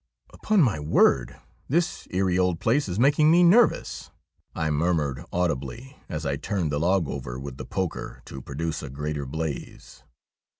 ' Upon my word, this eerie old place is making me nervous,' I murmured audibly, as I turned the log over with the poker to produce a greater blaze.